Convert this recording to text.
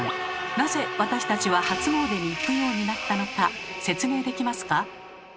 なぜ私たちは初詣に行くようになったのか説明できますか？